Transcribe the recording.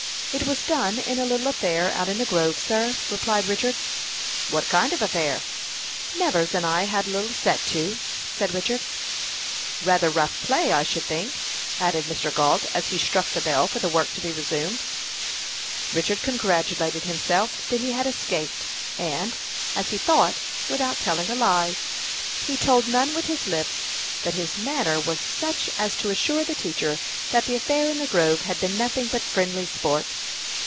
"It was done in a little affair out in the grove sir," replied Richard. "What kind of an affair?" "Nevers and I had a little set to," said Richard. "Rather rough play, I should think," added Mr. Gault, as he struck the bell for the work to be resumed. Richard congratulated himself that he had escaped, and, as he thought, without telling a lie. He told none with his lips, but his manner was such as to assure the teacher that the affair in the grove had been nothing but friendly sport.